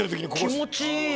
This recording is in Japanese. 気持ちいい！